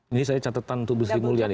ini saya catetan untuk bersemulia ini